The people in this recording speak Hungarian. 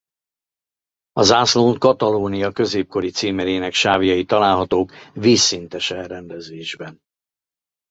A zászlón Katalónia középkori címerének sávjai találhatók vízszintes elrendezésben.